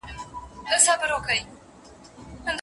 آیا سکرین تر کاغذ زیاتې سترګې ستړې کوي؟